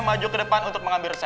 maju ke depan untuk mengambil